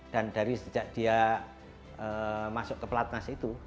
dan dari sejak dia masuk ke pelatnas itu